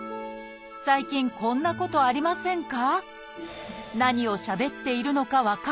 最近こんなことありませんか？